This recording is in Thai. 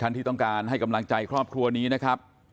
ที่ต้องการให้กำลังใจครอบครัวนี้นะครับ